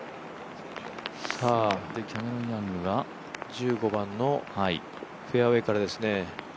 キャメロン・ヤングが１５番のフェアウエーからですね。